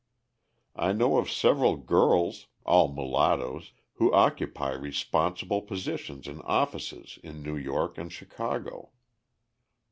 I know of several girls (all mulattoes) who occupy responsible positions in offices in New York and Chicago.